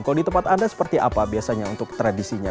kalau di tempat anda seperti apa biasanya untuk tradisinya